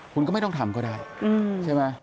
คุณก็ไม่ต้องทำก็ได้ใช่ไหม